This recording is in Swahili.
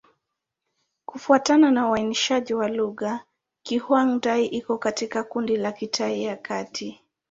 Kufuatana na uainishaji wa lugha, Kizhuang-Dai iko katika kundi la Kitai ya Kati.